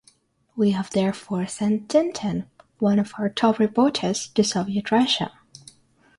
We have therefore sent "Tintin", one of our top reporters, to Soviet Russia.